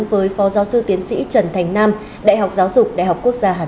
với phó giáo sư tiến sĩ trần thành nam đại học giáo dục đại học quốc gia hà nội